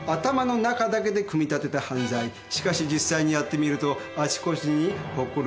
しかし実際にやってみるとあちこちにほころびが。